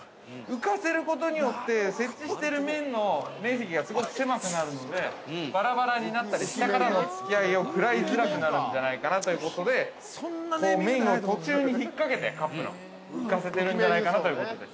浮かせることによって接地している麺の面積がすごく狭くなるのでばらばらになったり下からのつきあいを食らいづらくなるんじゃないかなということで麺を途中に引っ掛けてカップルの浮かせているんじゃないかなということで。